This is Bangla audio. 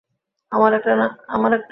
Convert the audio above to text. আমার একটা নাম আছে।